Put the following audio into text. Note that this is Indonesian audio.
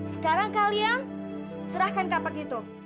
sekarang kalian serahkan kapak itu